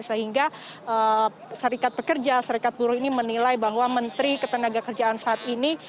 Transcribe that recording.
sehingga serikat pekerja serikat buruh ini menilai bahwa menteri ketenaga kerjaan saat ini